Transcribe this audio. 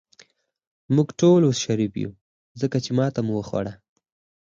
موږ ټول اوس شریف یو، ځکه چې ماته مو وخوړه.